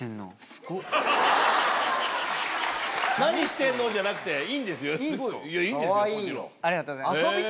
「何してんの？」じゃなくていいんですよもちろん。